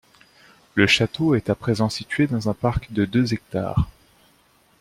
Le château est à présent situé dans un parc de deux hectares.